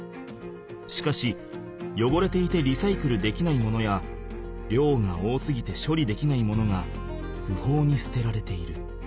しかしよごれていてリサイクルできないものやりょうが多すぎてしょりできないものがふほうにすてられている。